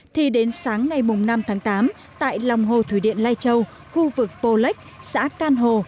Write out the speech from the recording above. thì đến sáng ngày năm tháng tám tại lòng hồ thủy điện lai châu khu vực pô lách xã can hồ